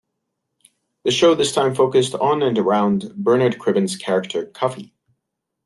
The show this time focused on and around Bernard Cribbins's character Cuffy.